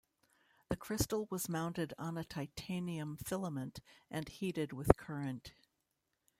The crystal was mounted on a titanium filament and heated with current.